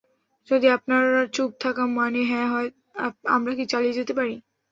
যদি আপনার চুপ থাকা মানে হ্যাঁ হয়, আমরা কি চালিয়ে যেতে পারি?